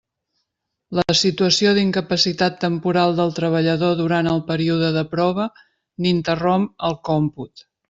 La situació d'incapacitat temporal del treballador durant el període de prova n'interromp el còmput.